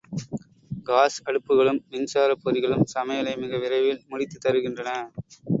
Cos அடுப்புகளும் மின்சாரப் பொறிகளும் சமையலை மிக விரைவில் முடித்துத் தருகின்றன.